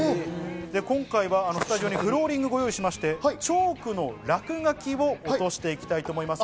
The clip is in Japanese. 今回はスタジオにフローリングをご用意しまして、チョークの落書きを落としていきたいと思います。